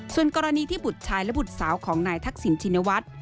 ส่วนกรณีที่บุตรชายและบุตรสาวของนายทักษิณชินวัฒน์